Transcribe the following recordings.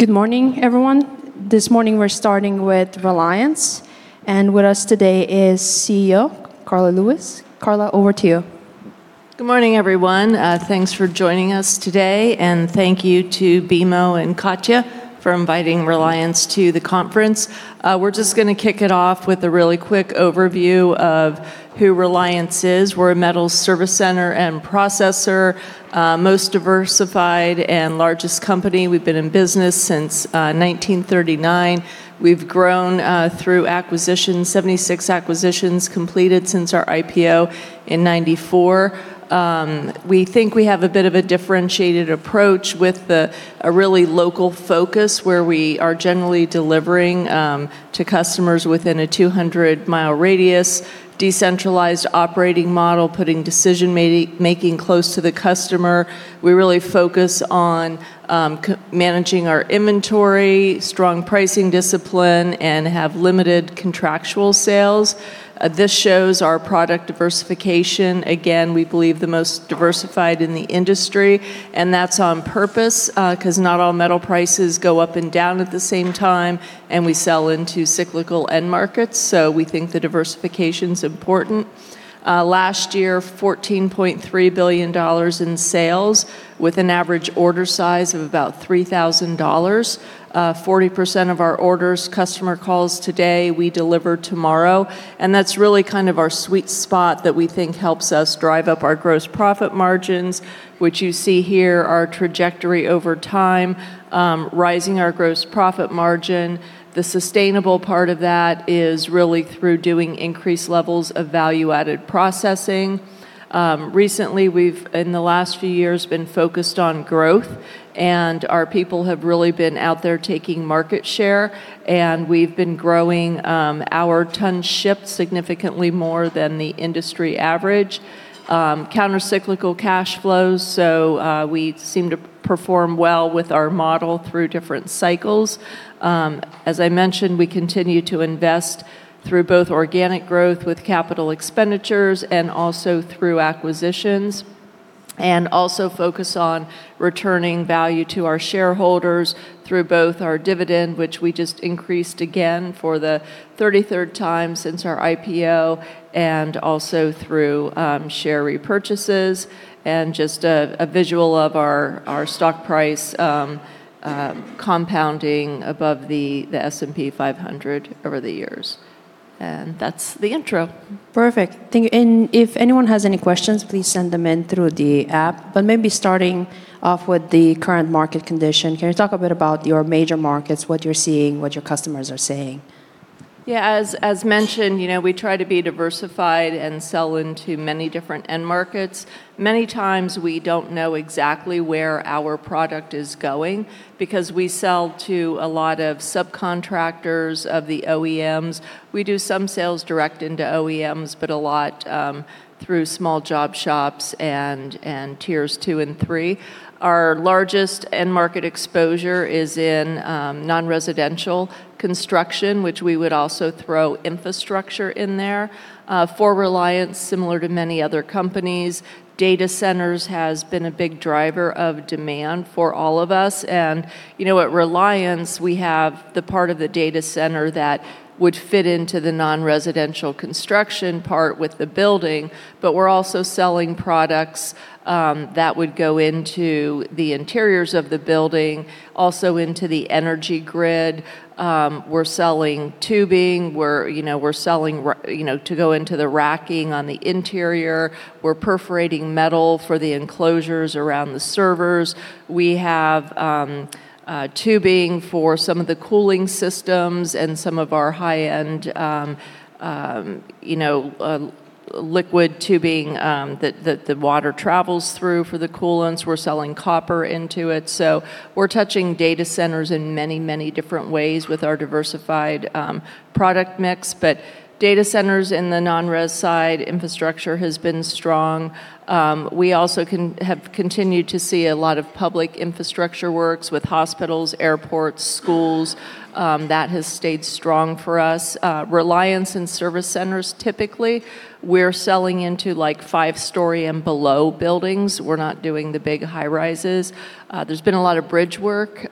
Good morning, everyone. This morning, we're starting with Reliance, and with us today is CEO, Karla Lewis. Karla, over to you. Good morning, everyone. Thanks for joining us today. Thank you to BMO and Katja for inviting Reliance to the conference. We're just gonna kick it off with a really quick overview of who Reliance is. We're a metal service center and processor, most diversified and largest company. We've been in business since 1939. We've grown through acquisitions, 76 acquisitions completed since our IPO in 1994. We think we have a bit of a differentiated approach with a really local focus, where we are generally delivering to customers within a 200-mile radius, decentralized operating model, putting decision-making close to the customer. We really focus on managing our inventory, strong pricing discipline, and have limited contractual sales. This shows our product diversification. We believe the most diversified in the industry, and that's on purpose, because not all metal prices go up and down at the same time, and we sell into cyclical end markets, so we think the diversification's important. Last year, $14.3 billion in sales, with an average order size of about $3,000. 40% of our orders, customer calls today, we deliver tomorrow, and that's really kind of our sweet spot that we think helps us drive up our gross profit margins, which you see here, our trajectory over time, rising our gross profit margin. The sustainable part of that is really through doing increased levels of value-added processing. Recently, we've, in the last few years, been focused on growth, and our people have really been out there taking market share, and we've been growing, our tons shipped significantly more than the industry average. Countercyclical cash flows, so, we seem to perform well with our model through different cycles. As I mentioned, we continue to invest through both organic growth with capital expenditures and also through acquisitions, and also focus on returning value to our shareholders through both our dividend, which we just increased again for the 33rd time since our IPO, and also through share repurchases, and just a visual of our stock price, compounding above the S&P 500 over the years. That's the intro. Perfect. Thank you. If anyone has any questions, please send them in through the app. Maybe starting off with the current market condition, can you talk a bit about your major markets, what you're seeing, what your customers are saying? Yeah, as mentioned, you know, we try to be diversified and sell into many different end markets. Many times, we don't know exactly where our product is going because we sell to a lot of subcontractors of the OEMs. We do some sales direct into OEMs, but a lot through small job shops and tiers two and three. Our largest end-market exposure is in non-residential construction, which we would also throw infrastructure in there. For Reliance, similar to many other companies, data centers has been a big driver of demand for all of us. You know, at Reliance, we have the part of the data center that would fit into the non-residential construction part with the building, but we're also selling products that would go into the interiors of the building, also into the energy grid. We're selling tubing. We're, you know, we're selling to go into the racking on the interior. We're perforating metal for the enclosures around the servers. We have tubing for some of the cooling systems and some of our high-end, you know, liquid tubing that the water travels through for the coolants. We're selling copper into it. We're touching data centers in many different ways with our diversified product mix. Data centers in the non-res side, infrastructure has been strong. We also have continued to see a lot of public infrastructure works with hospitals, airports, schools. That has stayed strong for us. Reliance and service centers, typically, we're selling into, like, 5-story and below buildings. We're not doing the big high-rises. There's been a lot of bridge work,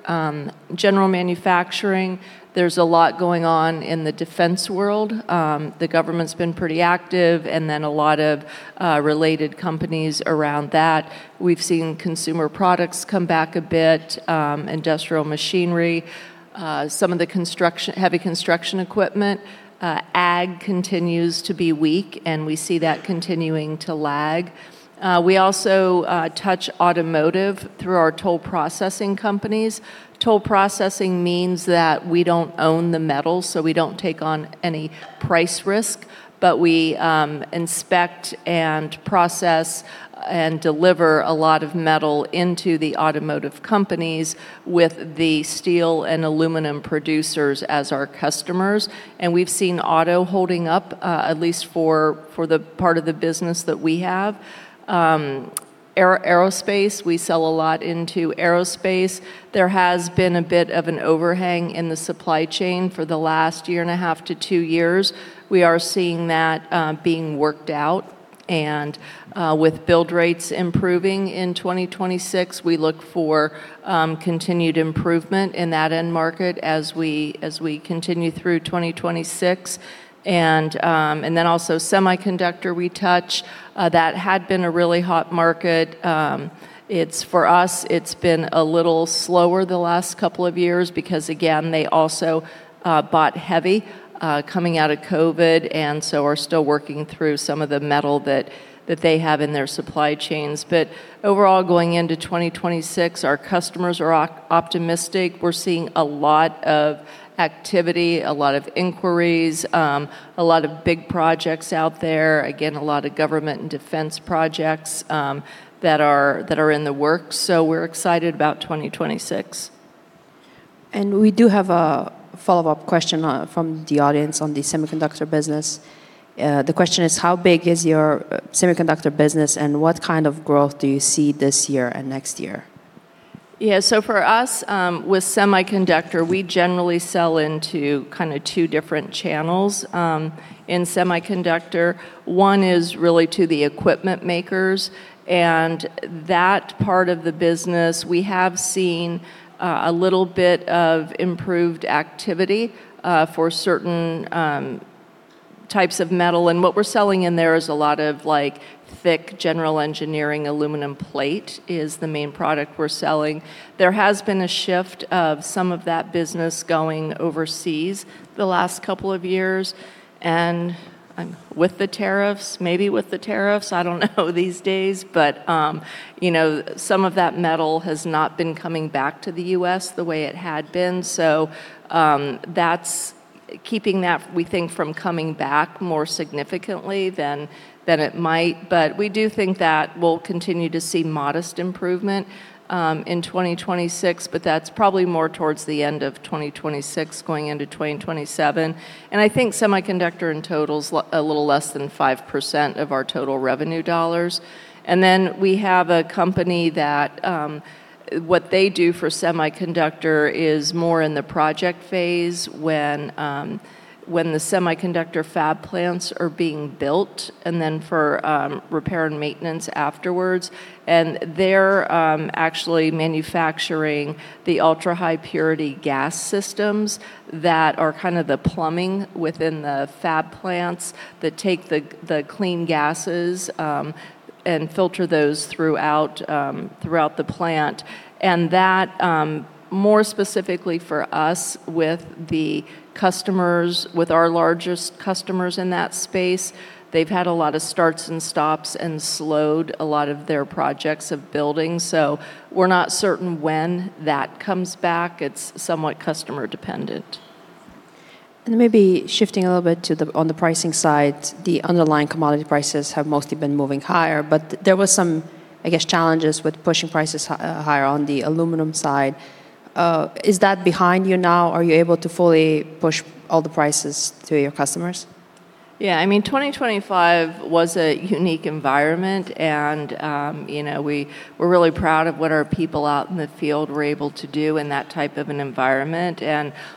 general manufacturing. There's a lot going on in the defense world. The government's been pretty active, a lot of related companies around that. We've seen consumer products come back a bit, industrial machinery, some of the heavy construction equipment. Ag continues to be weak, we see that continuing to lag. We also touch automotive through our toll processing companies. Toll processing means that we don't own the metal, so we don't take on any price risk, but we inspect, process, and deliver a lot of metal into the automotive companies with the steel and aluminum producers as our customers, we've seen auto holding up, at least for the part of the business that we have. Aerospace, we sell a lot into aerospace. There has been a bit of an overhang in the supply chain for the last year and a half to two years. We are seeing that being worked out, with build rates improving in 2026, we look for continued improvement in that end market as we, as we continue through 2026. Also semiconductor we touch. That had been a really hot market. For us, it's been a little slower the last couple of years because, again, they also bought heavy coming out of COVID, are still working through some of the metal that they have in their supply chains. Overall, going into 2026, our customers are optimistic. We're seeing a lot of activity, a lot of inquiries, a lot of big projects out there. Again, a lot of government and defense projects, that are in the works, so we're excited about 2026. We do have a follow-up question from the audience on the semiconductor business. The question is: How big is your semiconductor business, and what kind of growth do you see this year and next year? Yeah, for us, with semiconductor, we generally sell into kind of two different channels in semiconductor. One is really to the equipment makers, that part of the business, we have seen a little bit of improved activity for certain types of metal. What we're selling in there is a lot of, like, thick general engineering aluminum plate is the main product we're selling. There has been a shift of some of that business going overseas the last couple of years, and with the tariffs, maybe with the tariffs, I don't know these days, but, you know, some of that metal has not been coming back to the U.S. the way it had been. That's keeping that, we think, from coming back more significantly than it might. We do think that we'll continue to see modest improvement in 2026, but that's probably more towards the end of 2026, going into 2027. I think semiconductor in total is a little less than 5% of our total revenue dollars. Then we have a company that, what they do for semiconductor is more in the project phase when the semiconductor fab plants are being built, and then for repair and maintenance afterwards. They're actually manufacturing the ultra-high purity gas systems that are kinda the plumbing within the fab plants that take the clean gases and filter those throughout the plant. More specifically for us with the customers, with our largest customers in that space, they've had a lot of starts and stops and slowed a lot of their projects of building, so we're not certain when that comes back. It's somewhat customer-dependent. Maybe shifting a little bit to the, on the pricing side, the underlying commodity prices have mostly been moving higher, but there was some, I guess, challenges with pushing prices higher on the aluminum side. Is that behind you now? Are you able to fully push all the prices to your customers? Yeah, I mean, 2025 was a unique environment, you know, we were really proud of what our people out in the field were able to do in that type of an environment.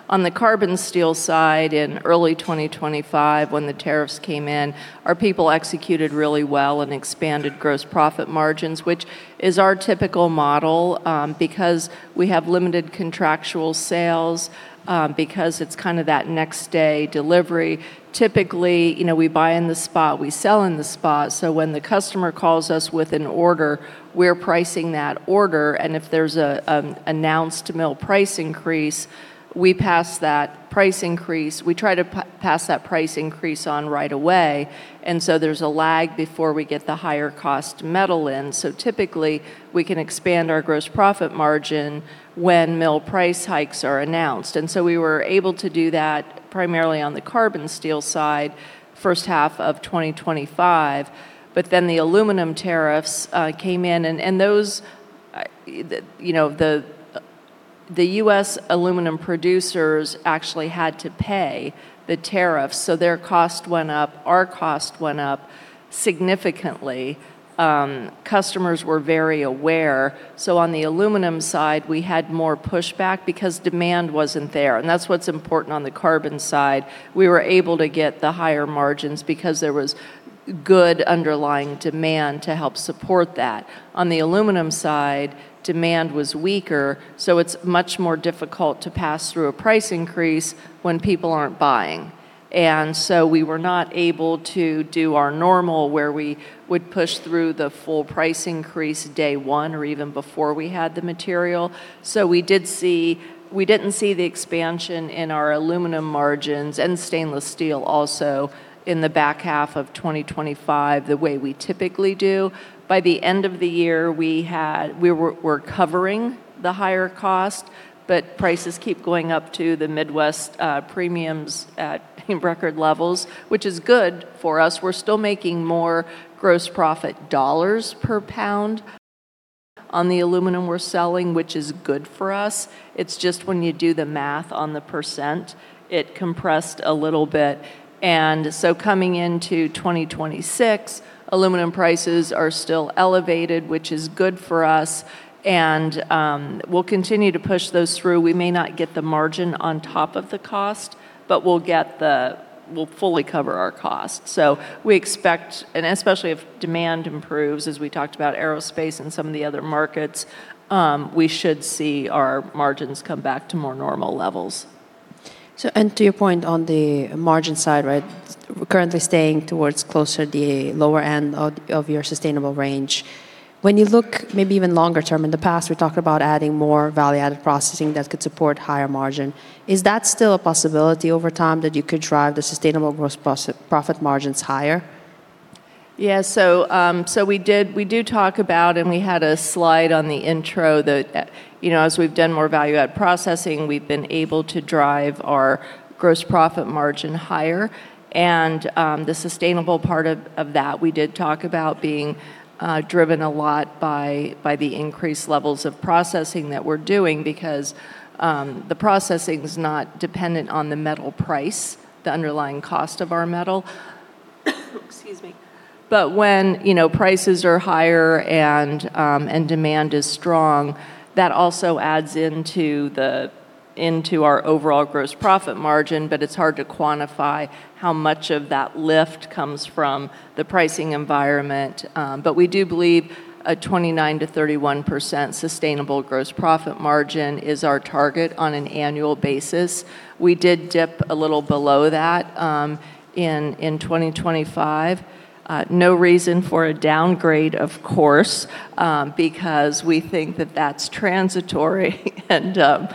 On the carbon steel side, in early 2025, when the tariffs came in, our people executed really well and expanded gross profit margins, which is our typical model, because we have limited contractual sales, because it's kinda that next-day delivery. Typically, you know, we buy in the spot, we sell in the spot, so when the customer calls us with an order, we're pricing that order, if there's a announced mill price increase, we try to pass that price increase on right away. There's a lag before we get the higher cost metal in. Typically, we can expand our gross profit margin when mill price hikes are announced. We were able to do that primarily on the carbon steel side, first half of 2025. The aluminum tariffs came in, and those, you know, the U.S. aluminum producers actually had to pay the tariffs, so their cost went up. Our cost went up significantly. Customers were very aware, so on the aluminum side, we had more pushback because demand wasn't there, and that's what's important on the carbon side. We were able to get the higher margins because there was good underlying demand to help support that. On the aluminum side, demand was weaker, so it's much more difficult to pass through a price increase when people aren't buying. We were not able to do our normal, where we would push through the full price increase day one or even before we had the material. We didn't see the expansion in our aluminum margins and stainless steel also in the back half of 2025, the way we typically do. By the end of the year, we're covering the higher cost, but prices keep going up to the Midwest premiums at, in record levels, which is good for us. We're still making more gross profit dollars per pound on the aluminum we're selling, which is good for us. It's just when you do the math on the percent, it compressed a little bit. Coming into 2026, aluminum prices are still elevated, which is good for us, and we'll continue to push those through. We may not get the margin on top of the cost, but we'll fully cover our costs. We expect, and especially if demand improves, as we talked about aerospace and some of the other markets, we should see our margins come back to more normal levels. To your point on the margin side, right, we're currently staying towards closer to the lower end of your sustainable range. When you look maybe even longer term, in the past, we talked about adding more value-added processing that could support higher margin. Is that still a possibility over time, that you could drive the sustainable gross profit margins higher? So we do talk about, and we had a slide on the intro that, you know, as we've done more value-added processing, we've been able to drive our gross profit margin higher. The sustainable part of that, we did talk about being driven a lot by the increased levels of processing that we're doing because the processing is not dependent on the metal price, the underlying cost of our metal. Excuse me. When, you know, prices are higher and demand is strong, that also adds into the, into our overall gross profit margin, but it's hard to quantify how much of that lift comes from the pricing environment. We do believe a 29%-31% sustainable gross profit margin is our target on an annual basis. We did dip a little below that, in 2025. No reason for a downgrade, of course, because we think that that's transitory. You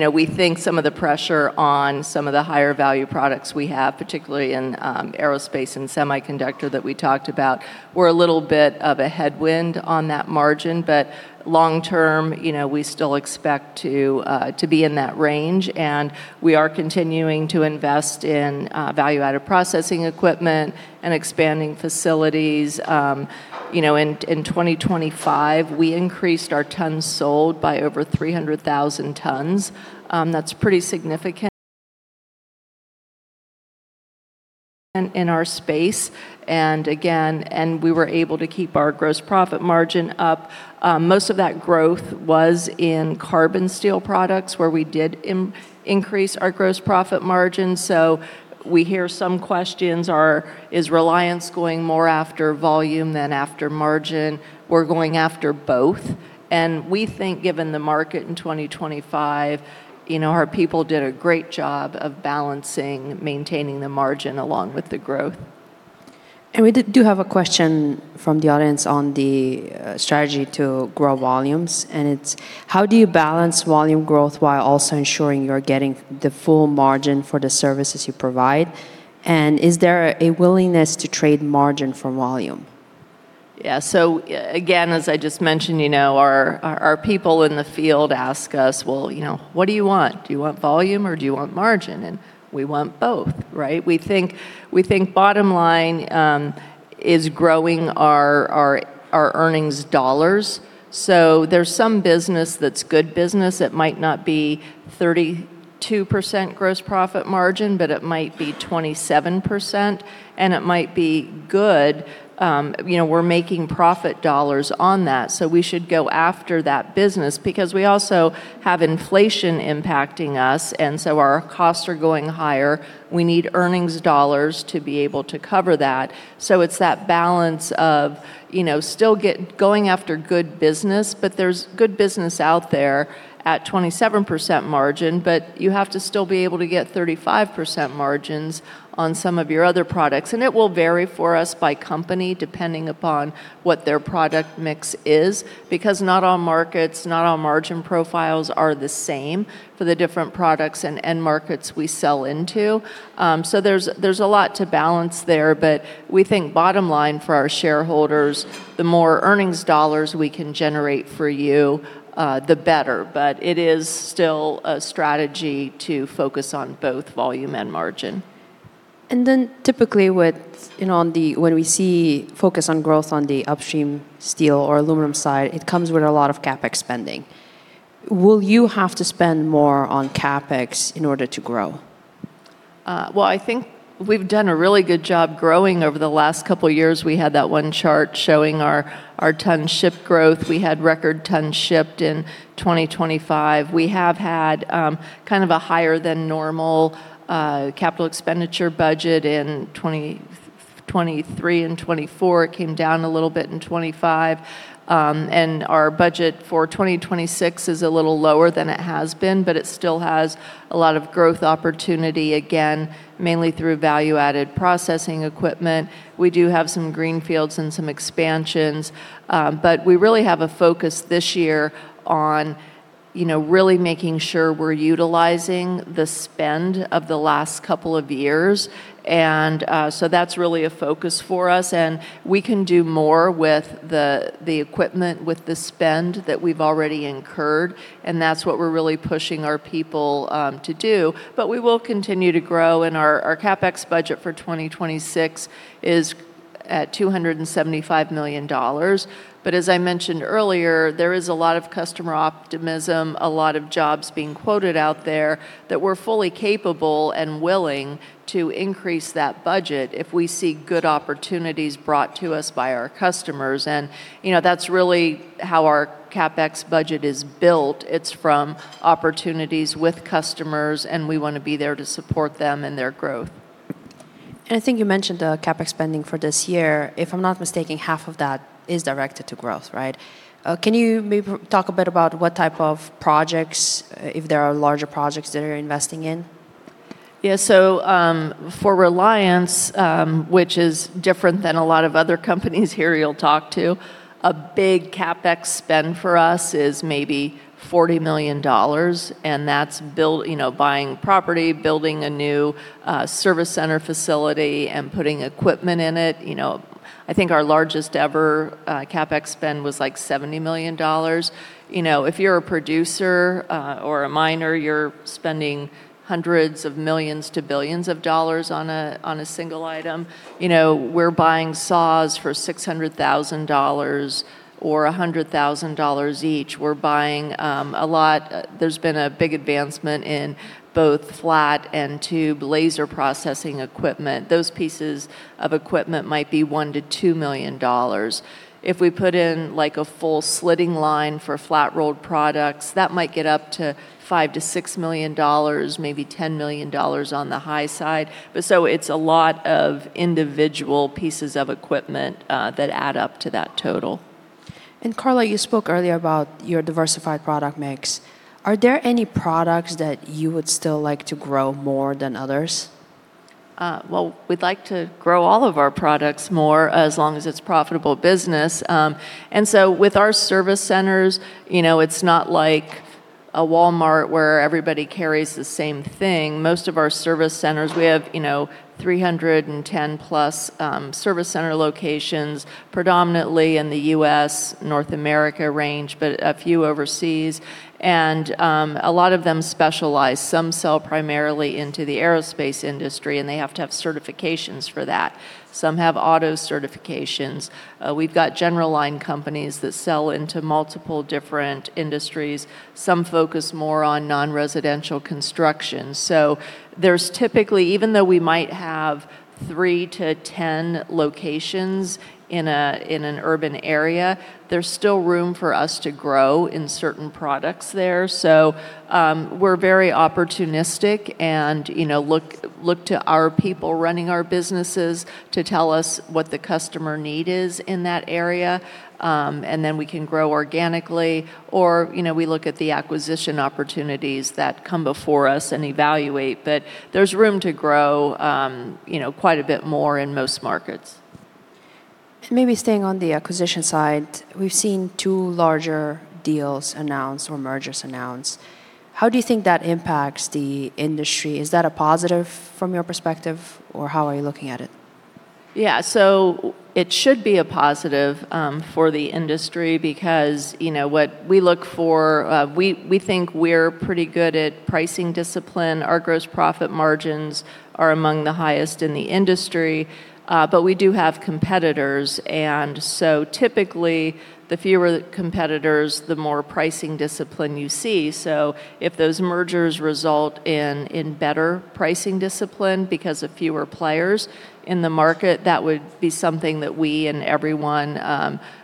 know, we think some of the pressure on some of the higher value products we have, particularly in aerospace and semiconductor that we talked about, were a little bit of a headwind on that margin. Long term, you know, we still expect to be in that range, and we are continuing to invest in value-added processing equipment and expanding facilities. You know, in 2025, we increased our tons sold by over 300,000 tons. That's pretty significant in our space, and again, and we were able to keep our gross profit margin up. Most of that growth was in carbon steel products, where we did increase our gross profit margin. We hear some questions are, "Is Reliance going more after volume than after margin?" We're going after both, and we think, given the market in 2025, you know, our people did a great job of balancing, maintaining the margin along with the growth. We do have a question from the audience on the strategy to grow volumes, and it's: How do you balance volume growth while also ensuring you're getting the full margin for the services you provide? Is there a willingness to trade margin for volume? Yeah. Again, as I just mentioned, you know, our people in the field ask us: "Well, you know, what do you want? Do you want volume or do you want margin?" We want both, right? We think bottom line, is growing our earnings dollars. There's some business that's good business. It might not be 32% gross profit margin, but it might be 27%, and it might be good. You know, we're making profit dollars on that, so we should go after that business because we also have inflation impacting us, our costs are going higher. We need earnings dollars to be able to cover that. It's that balance of, you know, still going after good business, but there's good business out there at 27% margin, but you have to still be able to get 35% margins on some of your other products. It will vary for us by company, depending upon what their product mix is, because not all markets, not all margin profiles are the same for the different products and end markets we sell into. There's a lot to balance there, but we think bottom line for our shareholders, the more earnings dollars we can generate for you, the better. It is still a strategy to focus on both volume and margin. Typically, with, you know, when we see focus on growth on the upstream steel or aluminum side, it comes with a lot of CapEx spending. Will you have to spend more on CapEx in order to grow? Well, I think we've done a really good job growing over the last couple of years. We had that one chart showing our ton ship growth. We had record ton shipped in 2025. We have had kind of a higher than normal capital expenditure budget in 2023 and 2024. It came down a little bit in 2025. Our budget for 2026 is a little lower than it has been, but it still has a lot of growth opportunity, again, mainly through value-added processing equipment. We do have some greenfield and some expansions, but we really have a focus this year on, you know, really making sure we're utilizing the spend of the last couple of years. So that's really a focus for us, and we can do more with the equipment, with the spend that we've already incurred, and that's what we're really pushing our people to do. We will continue to grow, and our CapEx budget for 2026 at $275 million. As I mentioned earlier, there is a lot of customer optimism, a lot of jobs being quoted out there, that we're fully capable and willing to increase that budget if we see good opportunities brought to us by our customers. You know, that's really how our CapEx budget is built. It's from opportunities with customers, and we wanna be there to support them in their growth. I think you mentioned the CapEx spending for this year. If I'm not mistaken, half of that is directed to growth, right? Can you maybe talk a bit about what type of projects, if there are larger projects that you're investing in? For Reliance, which is different than a lot of other companies here you'll talk to, a big CapEx spend for us is maybe $40 million, and that's you know, buying property, building a new service center facility, and putting equipment in it. You know, I think our largest-ever CapEx spend was, like, $70 million. You know, if you're a producer or a miner, you're spending hundreds of millions to billions of dollars on a single item. You know, we're buying saws for $600,000 or $100,000 each. We're buying, a lot. There's been a big advancement in both flat and tube laser processing equipment. Those pieces of equipment might be $1 million-$2 million. If we put in, like, a full slitting line for flat-rolled products, that might get up to $5 million-$6 million, maybe $10 million on the high side. It's a lot of individual pieces of equipment, that add up to that total. Karla, you spoke earlier about your diversified product mix. Are there any products that you would still like to grow more than others? Well, we'd like to grow all of our products more, as long as it's profitable business. With our service centers, you know, it's not like a Walmart, where everybody carries the same thing. Most of our service centers, we have, you know, 310+, service center locations, predominantly in the U.S., North America range, but a few overseas, and a lot of them specialize. Some sell primarily into the aerospace industry, and they have to have certifications for that. Some have auto certifications. We've got general line companies that sell into multiple different industries. Some focus more on non-residential construction. There's typically, even though we might have 3-10 locations in a, in an urban area, there's still room for us to grow in certain products there. We're very opportunistic, and, you know, look to our people running our businesses to tell us what the customer need is in that area. We can grow organically, or, you know, we look at the acquisition opportunities that come before us and evaluate. There's room to grow, you know, quite a bit more in most markets. Maybe staying on the acquisition side, we've seen two larger deals announced or mergers announced. How do you think that impacts the industry? Is that a positive from your perspective, or how are you looking at it? Yeah, it should be a positive for the industry because, you know, what we look for, we think we're pretty good at pricing discipline. Our gross profit margins are among the highest in the industry, we do have competitors. Typically, the fewer the competitors, the more pricing discipline you see. If those mergers result in better pricing discipline because of fewer players in the market, that would be something that we and everyone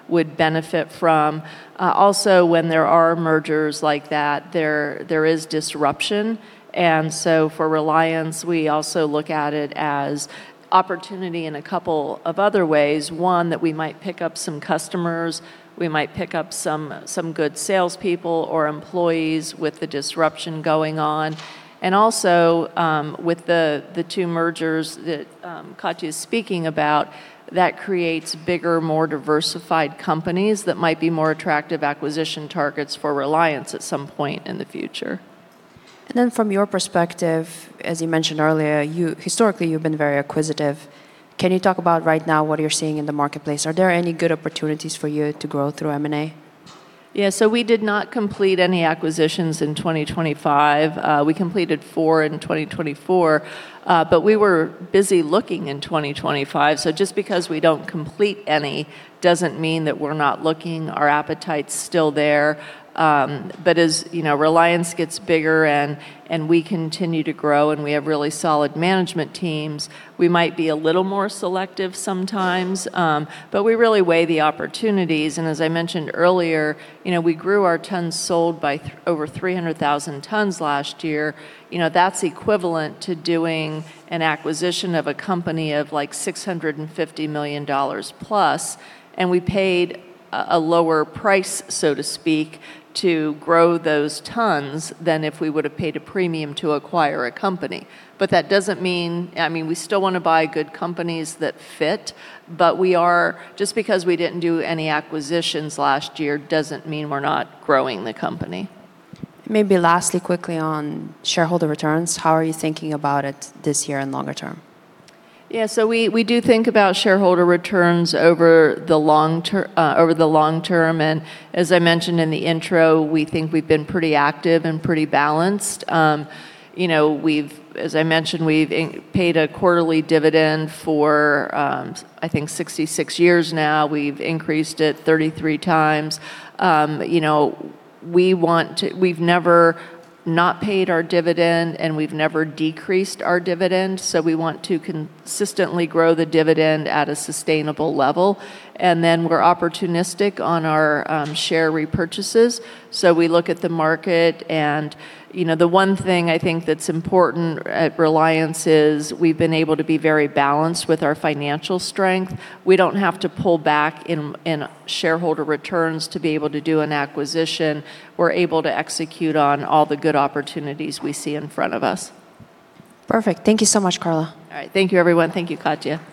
would benefit from. Also, when there are mergers like that, there is disruption, for Reliance, we also look at it as opportunity in a couple of other ways. One, that we might pick up some customers, we might pick up some good salespeople or employees with the disruption going on. With the two mergers that Katja is speaking about, that creates bigger, more diversified companies that might be more attractive acquisition targets for Reliance at some point in the future. From your perspective, as you mentioned earlier, you historically, you've been very acquisitive. Can you talk about right now what you're seeing in the marketplace? Are there any good opportunities for you to grow through M&A? We did not complete any acquisitions in 2025. We completed four in 2024, we were busy looking in 2025. Just because we don't complete any, doesn't mean that we're not looking. Our appetite's still there, as, you know, Reliance gets bigger, and we continue to grow, and we have really solid management teams, we might be a little more selective sometimes, we really weigh the opportunities. As I mentioned earlier, you know, we grew our tons sold by over 300,000 tons last year. You know, that's equivalent to doing an acquisition of a company of, like, $650 million plus, and we paid a lower price, so to speak, to grow those tons than if we would've paid a premium to acquire a company. That doesn't mean, I mean, we still wanna buy good companies that fit, but we are, just because we didn't do any acquisitions last year, doesn't mean we're not growing the company. Maybe lastly, quickly on shareholder returns, how are you thinking about it this year and longer term? We do think about shareholder returns over the long term, and as I mentioned in the intro, we think we've been pretty active and pretty balanced. You know, we've, as I mentioned, we've paid a quarterly dividend for, I think 66 years now. We've increased it 33 times. You know, we've never not paid our dividend, and we've never decreased our dividend. We want to consistently grow the dividend at a sustainable level. We're opportunistic on our share repurchases. We look at the market. You know, the one thing I think that's important at Reliance is we've been able to be very balanced with our financial strength. We don't have to pull back in shareholder returns to be able to do an acquisition. We're able to execute on all the good opportunities we see in front of us. Perfect. Thank you so much, Karla. All right. Thank you, everyone. Thank you, Katja.